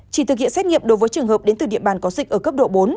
chỉ thực hiện xét nghiệm đối với trường hợp đến từ địa bàn có dịch ở cấp độ bốn